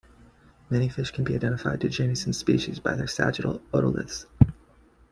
Many fish can be identified to genus and species by their sagittal otoliths.